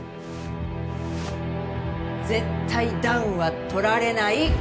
絶対ダウンは取られない！